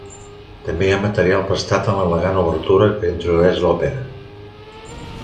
També hi ha material prestat en l'elegant obertura que introdueix l'òpera.